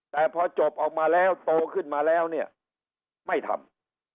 แต่พอจบออกมาแล้วโตขึ้นมาแล้วเนี่ยไม่ทำ